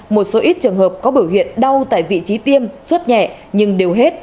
một số ít trường hợp có biểu hiện đau tại vị trí tiêm suốt nhẹ nhưng đều hết